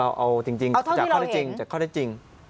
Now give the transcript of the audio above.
เอาเท่าที่เราเห็นจากข้อได้จริงจากข้อได้จริง